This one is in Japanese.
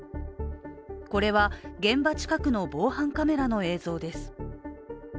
これは、現場近くの防犯カメラの映像です。